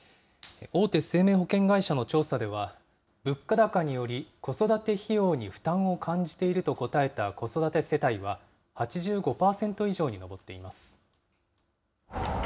大手生命保険会社の調査では、物価高により、子育て費用に負担を感じていると答えた子育て世帯は８５％以上に上っています。